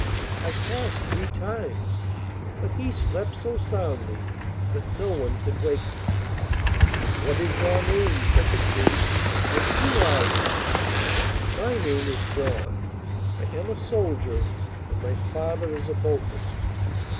I passed three times, but he slept so soundly that no one could wake him.' 'What is your name?' said the King, 'and who are you?' 'My name is John. I am a soldier, and my father is a boatman.